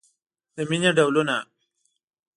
د مینې ډولونه